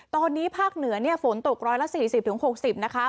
ตอนนี้ภาคเหนือฝนตกร้อยละ๔๐ถึง๖๐นะคะ